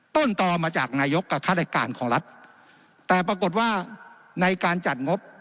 ต้นต่อมาจากนายกกับฆาตการของรัฐแต่ปรากฏว่าในการจัดงบ